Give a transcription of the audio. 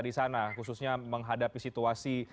di sana khususnya menghadapi situasi